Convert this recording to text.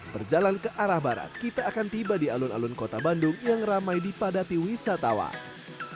berjalan ke arah barat kita akan tiba di alun alun kota bandung yang ramai dipadati wisatawan